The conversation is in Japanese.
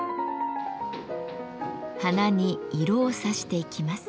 花に色をさしていきます。